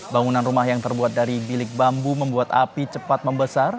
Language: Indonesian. bangunan rumah yang terbuat dari bilik bambu membuat api cepat membesar